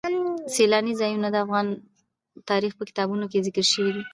سیلانی ځایونه د افغان تاریخ په کتابونو کې ذکر شوی دي.